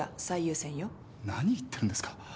何言ってるんですか？